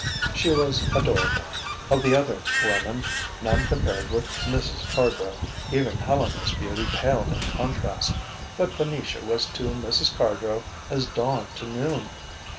She was adorable. Of the other women, none compared with Mrs. Cardrow: even Helena's beauty paled in contrast. But Venetia was to Mrs. Cardrow as dawn to noon.